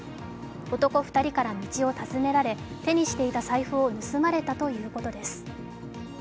男２人から道を尋ねられ手にしていた財布を盗まれたということです。